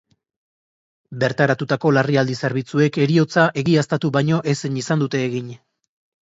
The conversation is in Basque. Bertaratutako larrialdi zerbitzuek heriotza egiaztatu baino ezin izan dute egin.